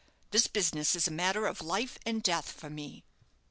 This business is a matter of life and death for me."